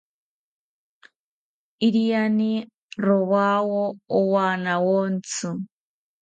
Iriani rowawo owanawontzi